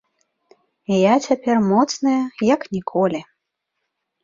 Я цяпер моцная, як ніколі.